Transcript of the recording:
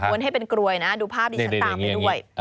ให้เป็นกรวยนะดูภาพดิฉันตามไปด้วย